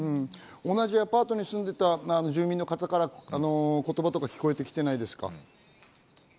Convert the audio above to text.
同じアパートに住んでいた住民の方から言葉とか聞こえてきてないですか？